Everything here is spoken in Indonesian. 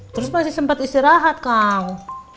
terus masih sempat istirahat kang